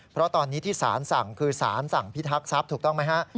เพราะตอนนี้ที่สารสั่งคือสารสั่งพิทักษัพถูกต้องไหมฮะ